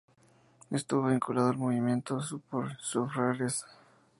Estuvo vinculado al movimiento Supports-surfaces.